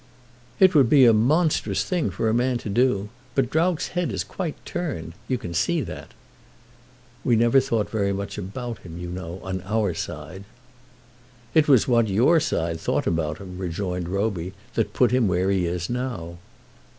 "It would be a monstrous thing for a man to do! But Drought's head is quite turned. You can see that." "We never thought very much about him, you know, on our side." "It was what your side thought about him," rejoined Roby, "that put him where he is now."